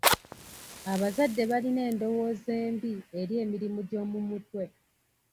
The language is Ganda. Abazadde balina endowooza embi eri emirimu gy'omu mutwe.